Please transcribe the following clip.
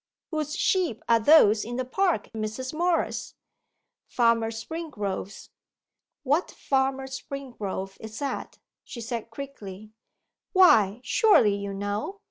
'Whose sheep are those in the park, Mrs. Morris?' 'Farmer Springrove's.' 'What Farmer Springrove is that?' she said quickly. 'Why, surely you know?